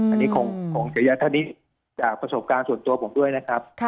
อันนี้ของเศรษฐณีย์จากประสบการณ์ส่วนตัวผมด้วยนะครับ